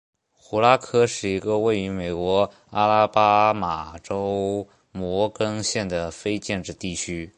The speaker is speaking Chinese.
胡拉科是一个位于美国阿拉巴马州摩根县的非建制地区。